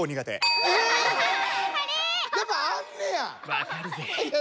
わかるぜ。